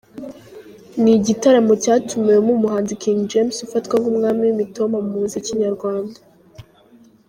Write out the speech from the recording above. Ni igitaramo cyatumiwemo umuhanzi King James ufatwa nk’umwami w’imitoma mu muziki nyarwanda.